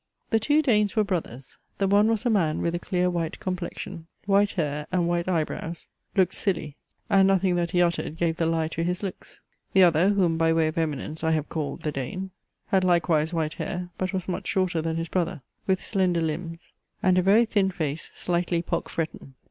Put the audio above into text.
The two Danes were brothers. The one was a man with a clear white complexion, white hair, and white eyebrows; looked silly, and nothing that he uttered gave the lie to his looks. The other, whom, by way of eminence I have called the Dane, had likewise white hair, but was much shorter than his brother, with slender limbs, and a very thin face slightly pockfretten.